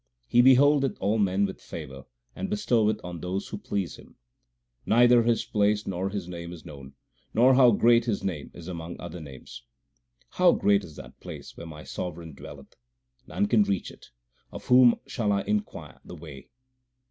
He beholdeth all men with favour, and bestoweth on those who please Him. Neither His place nor His name is known, nor how great His name is among other names. How great is that place where my Sovereign dwelleth ! None can reach it ; of whom shall I inquire the way